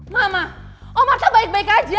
mama om arta baik baik aja